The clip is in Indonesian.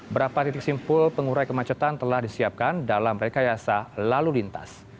berapa titik simpul pengurai kemacetan telah disiapkan dalam rekayasa lalu lintas